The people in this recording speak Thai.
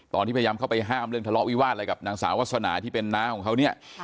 ตอนที่พยายามเข้าไปห้ามเรื่องทะเลาะวิวาสอะไรกับนางสาววาสนาที่เป็นน้าของเขาเนี่ย